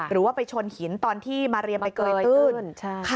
หรือว่าไปชนหินตอนที่มาเรียมไปเกยตื้น